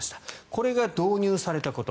これが導入されたこと。